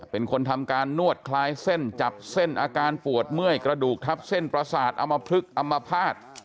เป็นคนทำการนวดคลายเส้นจับเส้นอาการปวดเมื่อยกระดูกทับเส้นประสาทอมพลึกอำมภาษณ์